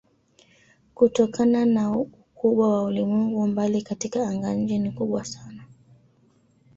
Kutokana na ukubwa wa ulimwengu umbali katika anga-nje ni kubwa sana.